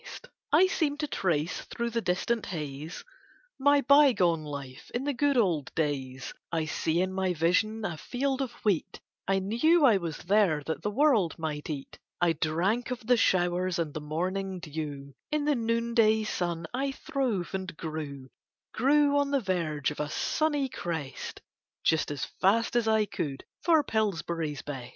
I seem to trace through the distant haze My byegone life in the good old days; I see in my vision a field of wheat I knew I was there that the world might eat I drank of the showers and the morning dew; In the noonday sun I throve and grew Grew on the verge of a sunny crest, Just as fast as I could for Pillsbury's Best.